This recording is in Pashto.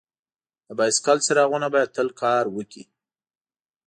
د بایسکل څراغونه باید تل کار وکړي.